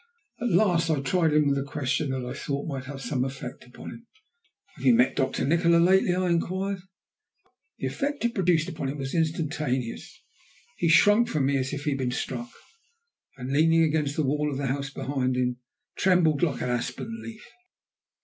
At last I tried him with a question I thought might have some effect upon him. "Have you met Doctor Nikola lately?" I inquired. The effect it produced upon him was instantaneous. He shrunk from me as if he had been struck, and, leaning against the wall of the house behind him, trembled like an aspen leaf.